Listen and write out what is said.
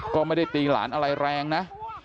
ก็ไม่ได้ตีหลานอะไรแรงนะ